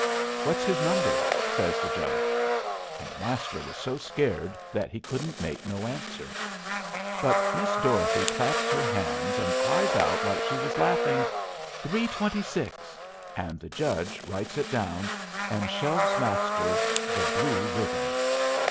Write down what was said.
"What's his number?" says the judge. And Master was so scared that he couldn't make no answer. But Miss Dorothy claps her hands and cries out like she was laughing, "Three twenty six," and the judge writes it down and shoves Master the blue ribbon.